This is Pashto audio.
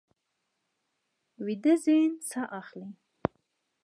ویده ذهن ساه اخلي